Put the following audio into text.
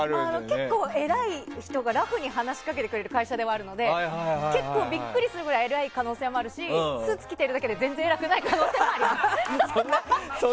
結構、偉い人がラフに話しかけてくれる会社なのでびっくりするくらい偉い可能性もあるしスーツ着てるだけで全然、偉くない可能性もあります。